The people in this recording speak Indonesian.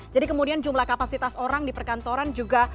jadi kemudian jumlah kapasitas orang di perkantoran juga